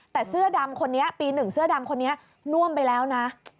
แต่เสื้อดำคนนี้ปี๑เสื้อดำคนนี้น่วมไปแล้วนะ